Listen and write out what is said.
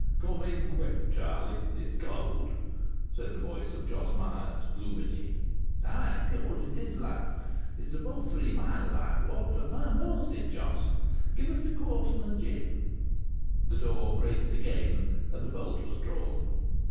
"Come in quick, Charlie. It's cowd [cold]," said the voice of Jos Myatt, gloomily. "Ay! Cowd it is, lad! It's above three mile as I've walked, and thou knows it, Jos. Give us a quartern o' gin." The door grated again and a bolt was drawn.